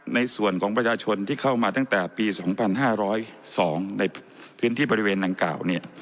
ในส่วนของประชาชนที่เข้ามาตั้งแต่ปี๒๕๐๒ในพื้นที่บริเวณดังกล่าวเนี่ย